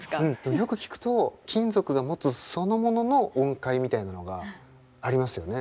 よく聴くと金属が持つそのものの音階みたいなのがありますよね。